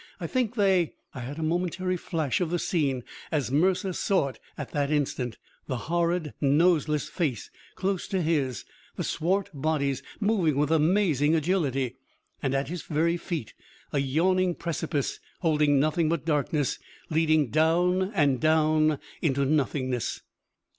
I think they " I had a momentary flash of the scene as Mercer saw it at that instant: the horrid noseless face close to his, the swart bodies moving with amazing agility. And at his very feet, a yawning precipice, holding nothing but darkness, leading down and down into nothingness.